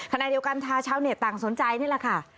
ขณะเดียวกันทาชาวเน็ตต่างสนใจนี่แหละค่ะ